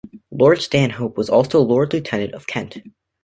Lord Stanhope was also Lord Lieutenant of Kent.